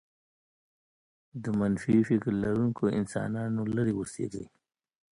د منفي فكر لرونکو انسانانو لرې اوسېږئ.